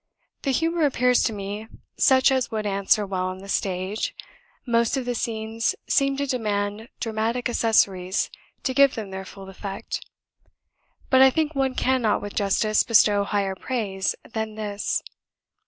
The humour appears to me such as would answer well on the stage; most of the scenes seem to demand dramatic accessories to give them their full effect. But I think one cannot with justice bestow higher praise than this.